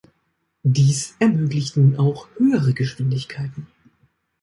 Dies ermöglicht nun auch höhere Geschwindigkeiten.